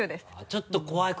ちょっと怖く。